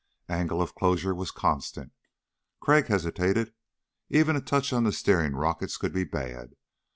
Angle of closure was constant! Crag hesitated. Even a touch on the steering rockets could be bad.